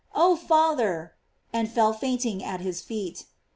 oh, father! arid fell fainting at his feet.